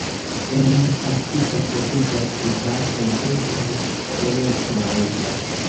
En absido troviĝas kvar pentritaj fenestroj.